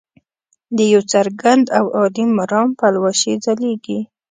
د یو څرګند او عالي مرام پلوشې ځلیږي.